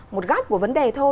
một góc của vấn đề